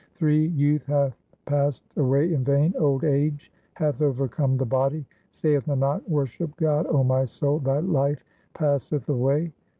Ill Youth hath passed away in vain, old age hath overcome the body ; Saith Nanak, worship God, O my soul, thy life passeth away.